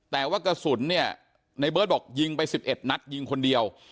แต่ว่ากระสุนเนี่ยในเบิร์ตบอกยิงไป๑๑นัดยิงคนเดียว